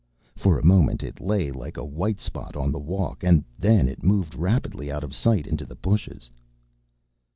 For a moment it lay like a white spot on the walk, and then it moved rapidly out of sight into the bushes.